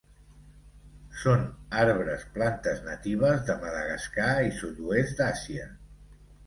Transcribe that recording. Són arbres plantes natives de Madagascar i sud-oest d'Àsia.